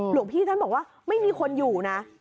หลวงพี่ท่านบอกว่าไม่มีคนอยู่นะ